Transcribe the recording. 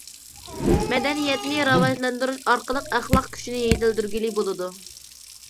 مەدەنىيەتنى راۋاجلاندۇرۇش ئارقىلىق ئەخلاق كۈچىنى يېتىلدۈرگىلى بولىدۇ.